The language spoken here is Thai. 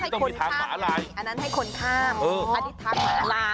ก็ให้คนข้ามอีกอ่ะอันนั้นให้คนข้ามอืม